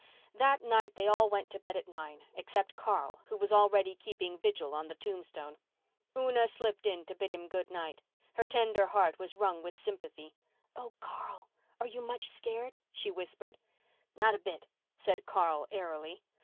That night they all went to bed at nine, except Carl, who was already keeping vigil on the tombstone. Una slipped in to bid him good night. Her tender heart was wrung with sympathy. "Oh, Carl, are you much scared?" she whispered. "Not a bit," said Carl airily.